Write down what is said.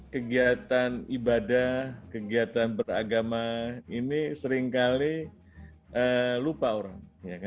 kegiatan ibadah kegiatan beragama ini seringkali lupa orang